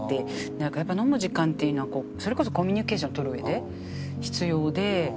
なんかやっぱ飲む時間っていうのはそれこそコミュニケーション取るうえで必要で。